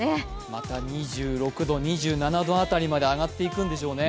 また２６度、２７度あたりまで上がっていくんでしょうね